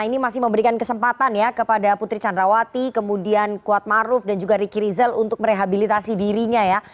ini masih memberikan kesempatan ya kepada putri candrawati kemudian kuat maruf dan juga ricky rizal untuk merehabilitasi dirinya ya